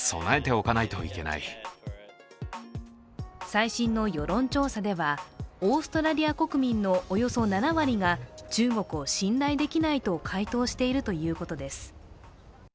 最新の世論調査では、オーストラリア国民のおよそ７割が中国を信頼できないと回答しているということです。